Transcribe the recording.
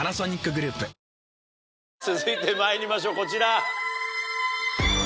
続いてまいりましょうこちら。